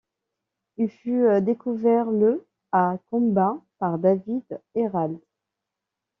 Il fut découvert le à Kambah par David Herald.